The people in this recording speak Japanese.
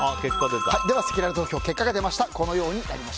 ではせきらら投票結果が出ました。